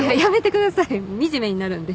惨めになるんで。